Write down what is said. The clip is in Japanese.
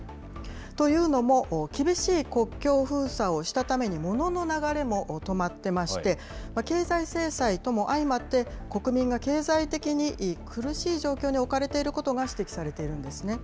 というのも、厳しい国境封鎖をしたためにモノの流れも止まってまして、経済制裁とも相まって、国民が経済的に苦しい状況に置かれていることが指摘されているんですね。